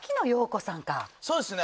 そうですね